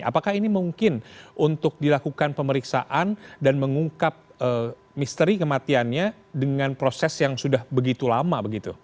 apakah ini mungkin untuk dilakukan pemeriksaan dan mengungkap misteri kematiannya dengan proses yang sudah begitu lama